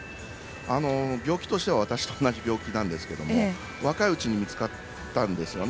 病気としては私と同じ病気なんですけれども若いうちに見つかったんですよね。